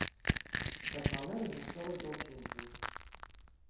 Размаўляю з мясцовай дзяўчынкай.